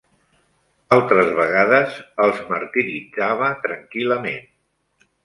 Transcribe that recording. Altres vegades els martiritzava tranquil·lament.